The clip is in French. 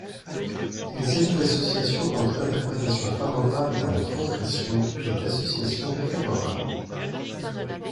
Il s'agit d'associations entre interprétations favorables à la transgression et d'associations défavorables.